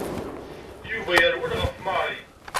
Yuba yerwel ɣef Mary.